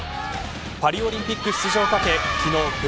パリオリンピック出場を懸け